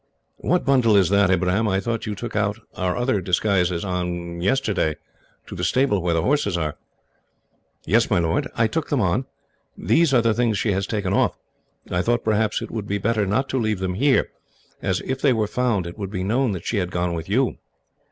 "What bundle is that, Ibrahim? I thought you took our other disguises on, yesterday, to the stable where the horses are." "Yes, my lord, I took them on. These are the things she has taken off. I thought, perhaps, it would be better not to leave them here, as, if they were found, it would be known that she had gone with you."